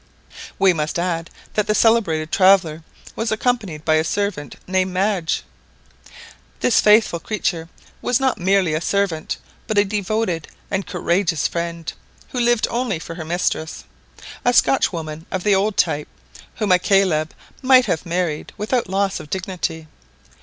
We must add that the celebrated traveller was accompanied by a servant named Madge. This faithful creature was not merely a servant, but a devoted and courageous friend, who lived only for her mistress. A Scotchwoman of the old type, whom a Caleb might have married without loss of dignity.